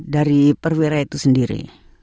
dari perwira itu sendiri